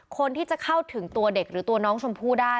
คนที่จะเข้าถึงตัวเด็กหรือตัวน้องชมพู่ได้